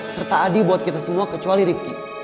serta adil buat kita semua kecuali rifki